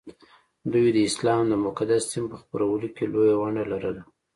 دوی د اسلام د مقدس دین په خپرولو کې لویه ونډه لرله